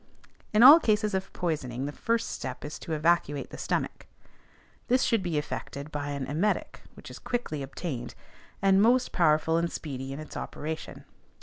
In all cases of poisoning, the first step is to evacuate the stomach. This should be effected by an emetic which is quickly obtained, and most powerful and speedy in its operation.